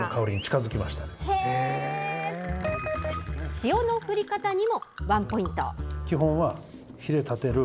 塩の振り方にもワンポイント。